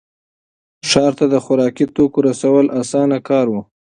ښار ته د خوراکي توکو رسول اسانه کار و.